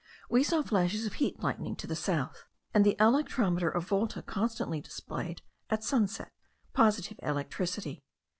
We saw flashes of heat lightning to the south; and the electrometer of Volta constantly displayed, at sunset, positive electricity.